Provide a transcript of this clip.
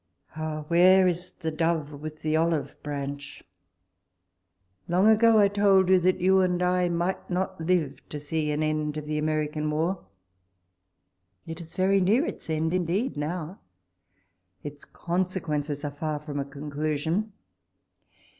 Oh ! where is the Dove with the olive branch 1 Long ago I told you that you and I might not live to see an end of the Ameri can war. It is very near its end indeed now — its consequences are far from a conclusion.